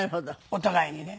お互いにね。